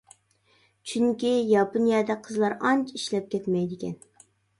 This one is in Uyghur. چۈنكى ياپونىيەدە قىزلار ئانچە ئىشلەپ كەتمەيدىكەن.